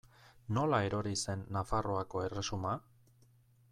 Nola erori zen Nafarroako erresuma?